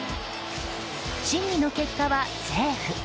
審議の結果はセーフ。